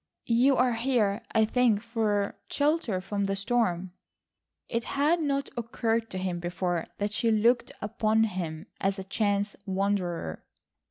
"You are here, I think, for shelter from the storm." It had not occurred to him before that she looked upon him as a chance wanderer.